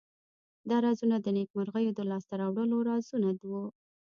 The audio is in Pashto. دا رازونه د نیکمرغیو د لاس ته راوړلو رازونه وو.